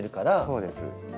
そうです。